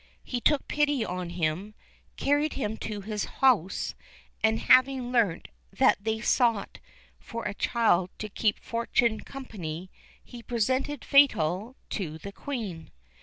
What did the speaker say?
He took pity on him, carried him to his house, and having learnt that they sought for a child to keep Fortuné company, he presented Fatal to the Queen.